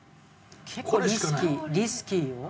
結構リスキーリスキーよ？